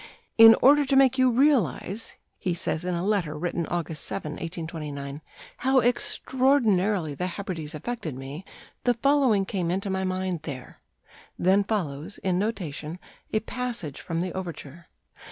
"In order to make you realize," he says in a letter written August 7, 1829, "how extraordinarily the Hebrides affected me, the following came into my mind there" then follows, in notation, a passage from the overture.